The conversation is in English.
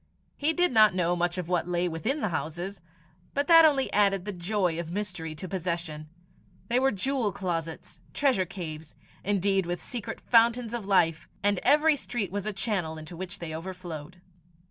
He did not know much of what lay within the houses; but that only added the joy of mystery to possession: they were jewel closets, treasure caves, indeed, with secret fountains of life; and every street was a channel into which they overflowed.